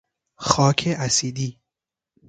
خاک اسیدی